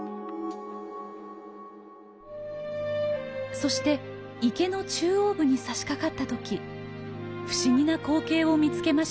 そして池の中央部にさしかかった時不思議な光景を見つけました。